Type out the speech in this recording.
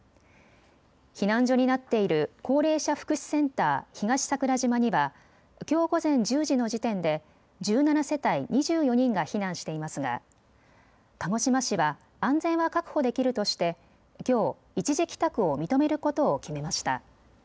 避難所になっている高齢者福祉センター東桜島にはきょう午前１０時の時点で１７世帯２４人が避難していますが鹿児島市は安全は確保できるとしてきょう一時帰宅を認めることを決めました。